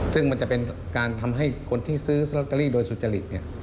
ซึ่งมันจะเป็นการทำให้คนที่ซื้อลอตเตอรี่โดยสุจริต